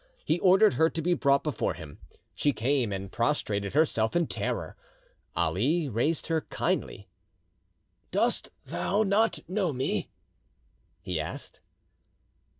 He ordered her to be brought before him. She came and prostrated herself in terror. Ali raised her kindly. "Dost thou not know me?" he asked.